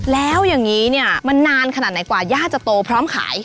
แล้วอย่างนี้เนี่ยมันนานขนาดไหนกว่าย่าจะโตพร้อมขาย